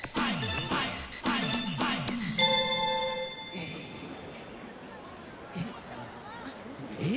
えっ？